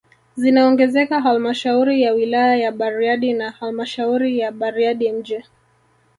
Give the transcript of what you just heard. Zinaongezeka halmashauri ya wilaya ya Bariadi na halmashauri ya Bariadi mji